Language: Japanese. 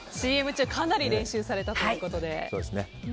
ＣＭ中かなり練習されたということで。